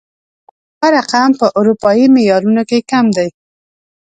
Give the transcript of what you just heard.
دا رقم په اروپايي معيارونو کې کم دی